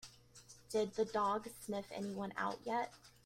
Did the dog sniff anyone out yet?